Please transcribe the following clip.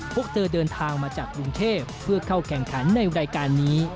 พวกเธอเดินทางมาจากกรุงเทพเพื่อเข้าแข่งขันในรายการนี้